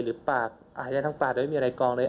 ปากหายใจทั้งปากโดยไม่มีอะไรกองเลย